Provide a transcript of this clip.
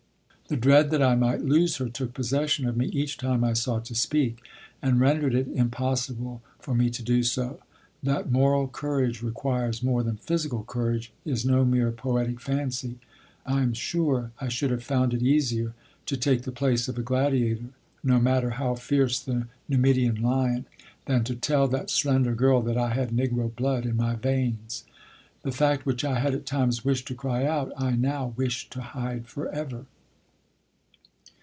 The dread that I might lose her took possession of me each time I sought to speak, and rendered it impossible for me to do so. That moral courage requires more than physical courage is no mere poetic fancy. I am sure I should have found it easier to take the place of a gladiator, no matter how fierce the Numidian lion, than to tell that slender girl that I had Negro blood in my veins. The fact which I had at times wished to cry out, I now wished to hide forever.